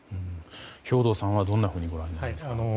兵頭さんはどんなふうにご覧になりますか。